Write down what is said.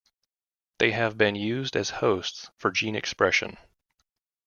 They have been used as hosts for gene expression.